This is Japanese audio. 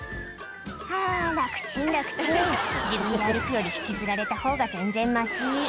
「はぁ楽ちん楽ちん」「自分で歩くより引きずられたほうが全然マシ」